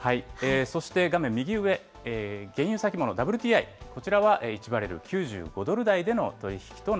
そして画面右上、原油先物ＷＴＩ、こちらは１バレル９５ドル